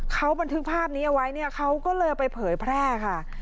เขาบันทึกภาพนี้ไว้เขาก็เลยไปเผยแพร่ค่ะ